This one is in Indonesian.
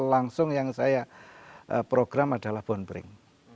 langsung yang saya program adalah bon pring